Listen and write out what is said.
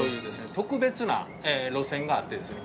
特別な路線があってですね